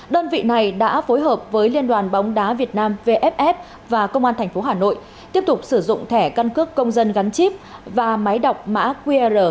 đơn vị này đã phối hợp với liên đoàn bóng đá việt nam vff và công an tp hà nội tiếp tục sử dụng thẻ căn cước công dân gắn chip và máy đọc mã qr